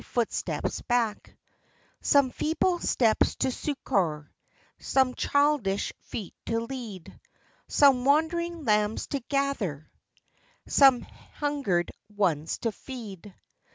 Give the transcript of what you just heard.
footsteps back ; Some feeble steps to succor, Some childish feet to lead, Some wandering lambs to gather, Some hungered ones to feed.